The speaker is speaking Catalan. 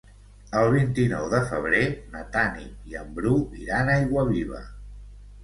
El vint-i-nou de febrer na Tanit i en Bru iran a Aiguaviva.